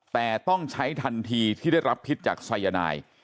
แต่ต้องใช้ทันทีที่ได้รับพิษจากสายนาย